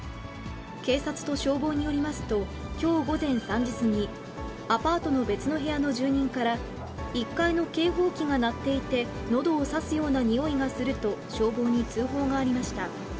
警察と消防によりますと、きょう午前３時過ぎ、アパートの別の部屋の住人から、１階の警報機が鳴っていて、のどを刺すような臭いがすると、消防に通報がありました。